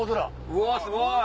うわすごい！